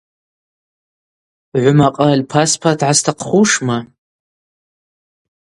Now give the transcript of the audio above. Гӏвымакъраль паспорт гӏастахъхушма?